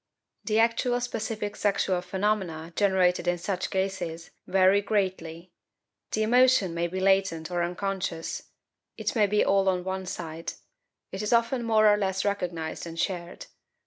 The actual specific sexual phenomena generated in such cases vary very greatly. The emotion may be latent or unconscious; it may be all on one side; it is often more or less recognized and shared.